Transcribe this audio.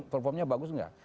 performanya bagus nggak